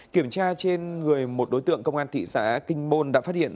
kiểm tra trên người một đối tượng công an thị xã kinh môn đã phát hiện